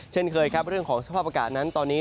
เช่นเคยครับเรื่องของสภาพอากาศนั้นตอนนี้